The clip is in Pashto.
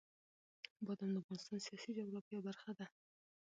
بادام د افغانستان د سیاسي جغرافیه برخه ده.